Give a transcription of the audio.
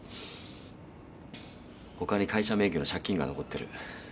他に会社名義の借金が残ってる。